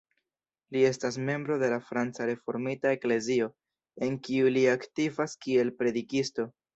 Li estas membro de la Franca Reformita Eklezio, en kiu li aktivas kiel predikisto.